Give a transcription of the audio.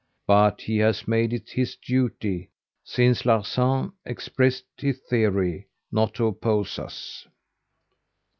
But he has made it his duty, since Larsan expressed his theory, not to oppose us."